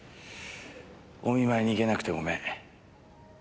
お見舞いに行けなくてごめん。